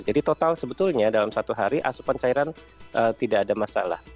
jadi total sebetulnya dalam satu hari asupan cairan tidak ada masalah